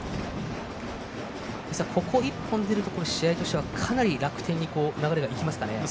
ここ一本出ると、かなり楽天に流れがいきますかね。